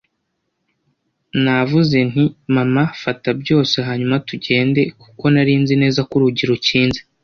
Navuze nti: “Mama, fata byose hanyuma tugende,” kuko nari nzi neza ko urugi rukinze